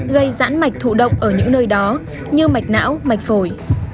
gây giãn mạch thụ động ở những nơi đó như mạch não mạch phổi